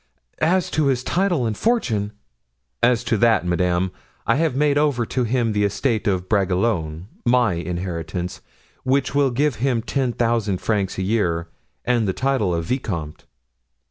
As to his title and fortune——" "As to that, madame, I have made over to him the estate of Bragelonne, my inheritance, which will give him ten thousand francs a year and the title of vicomte."